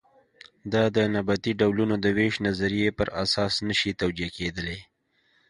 دا د نباتي ډولونو د وېش نظریې پر اساس نه شي توجیه کېدلی.